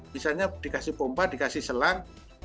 misalnya dikasih pompa dikasih selang